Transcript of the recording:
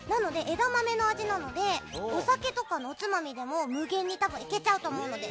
なので、お酒とかのおつまみでも無限にいけちゃうと思うので。